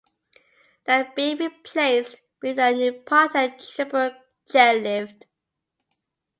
They are being replaced with a new Partek Triple Chairlift.